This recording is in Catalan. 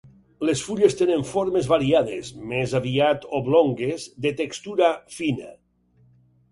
Les fulles tenen formes variades, més aviat oblongues, de textura fina.